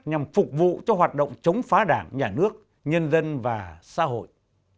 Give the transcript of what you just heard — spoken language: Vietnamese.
nhằm phục vụ cho hoạt động chống phá đảng nhà nước nhân dân và xã hội